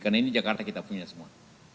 karena ini jakarta kita punya semua